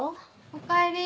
おかえり。